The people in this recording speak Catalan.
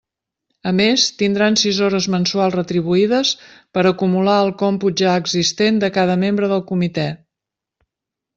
A més, tindran sis hores mensuals retribuïdes per acumular al còmput ja existent de cada membre del comitè.